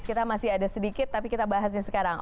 kita masih ada sedikit tapi kita bahasnya sekarang